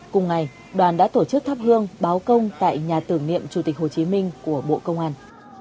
cùng ngày đoàn đã tổ chức thắp hương báo công tại nhà tưởng niệm chủ tịch hồ chí minh của bộ công an